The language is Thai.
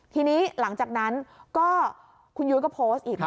ทีนี้หลังจากนั้นก็คุณยุ้ยก็โพสต์อีก